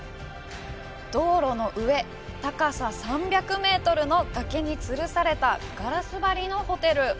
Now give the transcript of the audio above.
道路の上、高さ３００メートルの崖につるされたガラス張りのホテル。